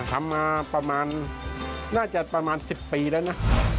ทำมาประมาณน่าจะประมาณ๑๐ปีแล้วนะ